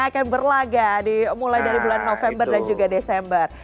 akan berlaga mulai dari bulan november dan juga desember